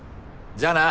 じゃあな！